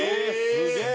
すげえ！